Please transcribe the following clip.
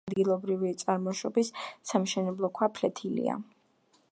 ადგილობრივი წარმოშობის სამშენებლო ქვა ფლეთილია.